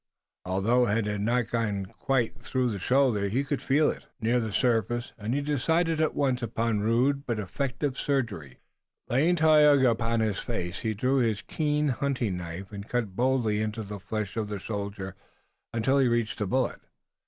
Although it had not gone quite through the shoulder he could feel it near the surface, and he decided at once upon rude but effective surgery. Laying Tayoga upon his face, he drew his keen hunting knife and cut boldly into the flesh of the shoulder until he reached the bullet.